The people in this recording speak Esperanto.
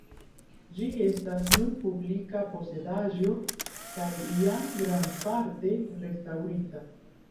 Ĝi estas nun publika posedaĵo kaj jam grandparte restaŭrita.